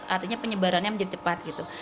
artinya penyebarannya menjadi cepat gitu